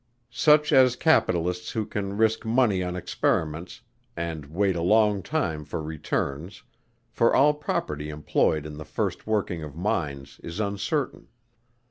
Such as capitalists who can risk money on experiments, and wait a long time for returns: for all property employed in the first working of mines is uncertain.